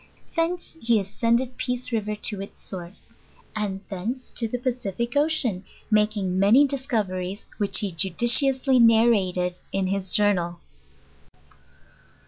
Thence he ascended Peace River to its source, and thence to the Pacific ocean; making many discoveries which he judiciously narrated in hie jour nal.